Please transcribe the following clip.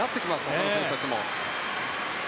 他の選手たちも。